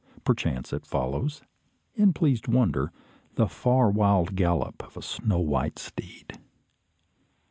Perchance it follows, in pleased wonder, the far wild gallop of a snow white steed.